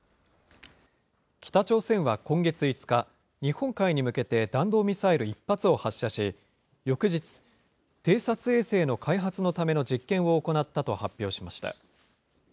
北朝鮮は今月５日、日本海に向けて弾道ミサイル１発を発射し、翌日、偵察衛星の開発のための実験を行ったと発表しました。